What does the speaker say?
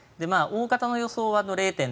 大方の予想は０．７５％